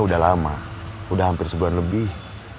udah lama udah hampir sebulan lebih